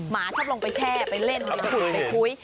หมาชอบลงไปแช่ไปเล่นไปหุ่นไปคุ้ย